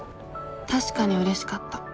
確かにうれしかった。